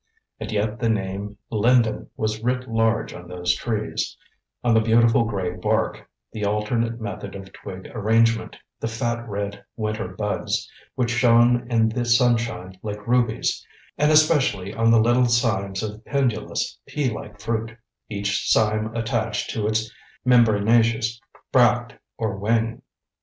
And yet the name linden was writ large on those trees, on the beautiful gray bark, the alternate method of twig arrangement, the fat red winter buds, which shone in the sunshine like rubies, and especially on the little cymes of pendulous, pea like fruit, each cyme attached to its membranaceous bract or wing.